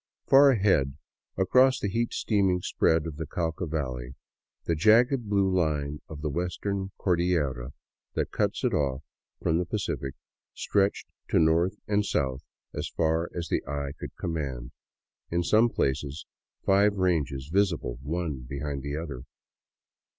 Far ahead, across the heat steaming spread of the Cauca valley, the jagged blue line of the Western Cordillera, that cuts it oflf from the Pacific, stretched to north and south as far as the eye could com mand, in some places five ranges visible one behind the other.